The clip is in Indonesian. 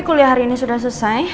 kuliah hari ini sudah selesai